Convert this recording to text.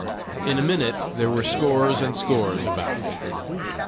In a minute there were scores and scores about me.